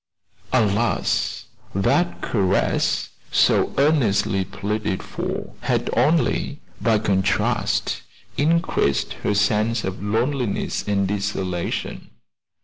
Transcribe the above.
Alas! that caress, so earnestly pleaded for, had only by contrast increased her sense of loneliness and desolation.